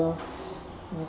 thì có tâm huyết